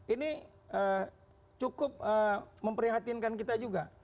ini cukup memprihatinkan kita juga